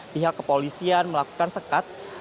pihak kepolisian melakukan sekat